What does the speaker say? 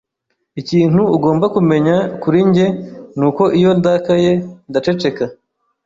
Ikintu ugomba kumenya kuri njye nuko iyo ndakaye, ndaceceka.